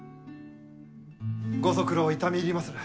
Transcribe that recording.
ご足労痛み入りまする。